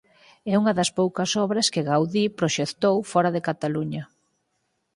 É unha das poucas obras que Gaudí proxectou fóra de Cataluña.